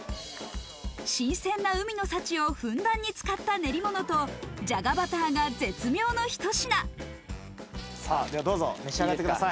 新鮮な海の幸をふんだんに使った練り物とじゃがバターが絶妙のひどうぞ召し上がってください。